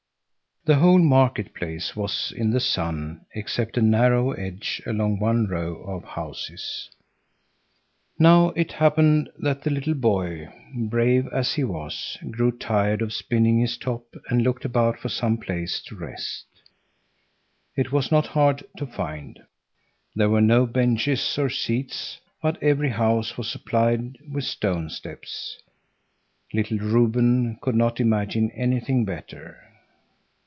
The whole market place was in the sun except a narrow edge along one row of houses. Now it happened that the little boy, brave as he was, grew tired of spinning his top and looked about for some place to rest. It was not hard to find. There were no benches or seats, but every house was supplied with stone steps. Little Reuben could not imagine anything better.